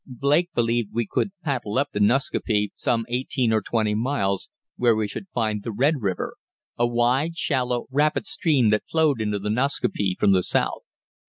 Blake believed we could paddle up the Nascaupee some eighteen or twenty miles, where we should find the Red River, a wide, shallow, rapid stream that flowed into the Nascaupee from the south.